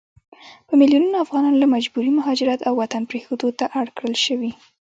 په ميلونونو افغانان له مجبوري مهاجرت او وطن پريښودو ته اړ کړل شوي